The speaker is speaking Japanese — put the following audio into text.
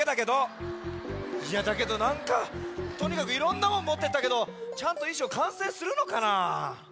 いやだけどなんかとにかくいろんなもんもってったけどちゃんといしょうかんせいするのかな？